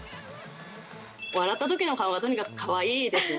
笑ったときの顔がとにかくかわいいですね。